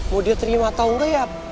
mau dia terima tau gak ya